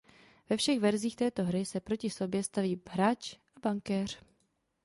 Ve všech verzích této hry se proti sobě staví hráč a bankéř.